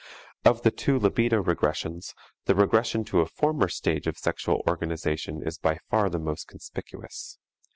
Of the two libido regressions, the regression to a former stage of sexual organization is by far the more conspicuous.